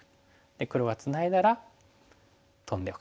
黒がツナいだらトンでおく。